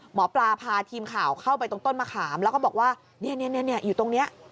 หมอปลาพาทีมข่าวเข้าไปตรงต้นมะขามแล้วก็บอกว่าเนี่ยอยู่ตรงนี้